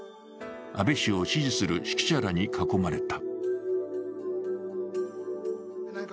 安倍氏を支持する識者らに囲まれた。